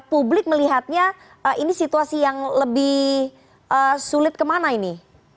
publik melihatnya ini situasi yang lebih sulit kemana ini